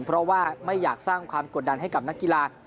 เพราะว่าไม่อยากสร้างความกดดันให้กับนักกีฬา